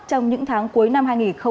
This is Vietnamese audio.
trong những tháng cuối năm hai nghìn hai mươi